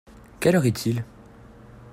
Quelle heure est-il ?